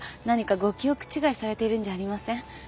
何かご記憶違いされているんじゃありません？